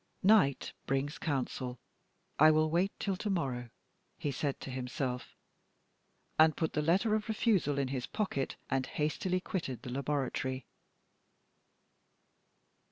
"Night brings counsel; I will wait till to morrow," he said to himself, and put the letter of refusal in his pocket, and hastily quitted the laboratory.